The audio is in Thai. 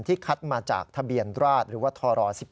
คัดมาจากทะเบียนราชหรือว่าทร๑๑